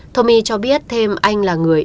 tommy cho biết thêm anh là người